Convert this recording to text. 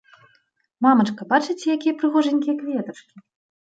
Мамачка, бачыце, якія прыгожанькія кветачкі?